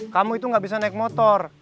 kamu itu nggak bisa naik motor